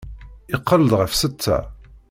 Iqqel-d ɣef setta.